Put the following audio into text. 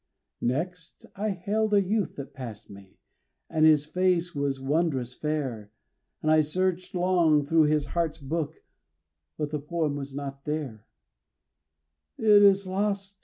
Next I hailed a youth that passed me, and his face was wond'rous fair, And I searched long through his heart's book, but the poem was not there; "It is lost!"